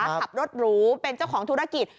ขับรถหรูเป็นเจ้าของธุรกิจ